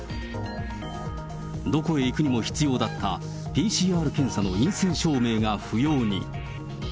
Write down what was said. どこへ行くにも必要だったＰＣＲ検査の陰性証明が不要に。